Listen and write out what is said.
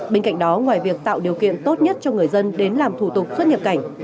bên cạnh đó ngoài việc tạo điều kiện tốt nhất cho người dân đến làm thủ tục xuất nhập cảnh